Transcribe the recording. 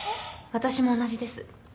私も同じです。